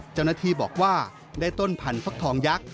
เจ้าหน้าที่บอกว่าได้ต้นพันธักทองยักษ์